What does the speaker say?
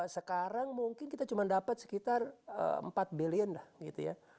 sekarang mungkin kita cuma dapat sekitar empat billion lah gitu ya